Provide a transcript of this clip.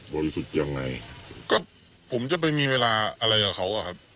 บริสุทธิ์ยังไงก็ผมจะไปมีเวลาอะไรกับเขาอ่ะครับ